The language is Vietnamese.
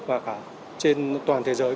và cả trên toàn thế giới